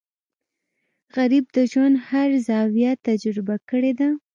غریب د ژوند هر زاویه تجربه کړې ده